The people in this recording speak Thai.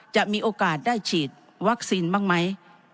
จะมีโอกาสได้ฉีดวัคซีนบ้างไหม